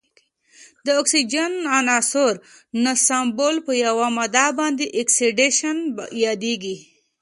د اکسیجن عنصر نصبول په یوه ماده باندې اکسیدیشن یادیږي.